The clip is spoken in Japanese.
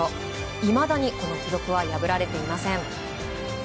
いまだにこの記録は破られていません。